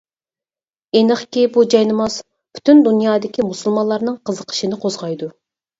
ئېنىقكى بۇ جايناماز پۈتۈن دۇنيادىكى مۇسۇلمانلارنىڭ قىزىقىشىنى قوزغايدۇ.